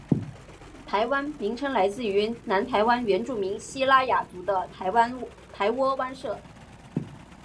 “台湾”名称来自于南台湾原住民西拉雅族的台窝湾社。